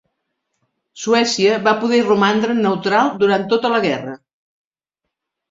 Suècia va poder romandre neutral durant tota la guerra.